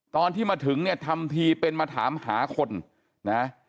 ตอนที่มาถึงเนี่ยทำทีเป็นมาถามหาคนนะ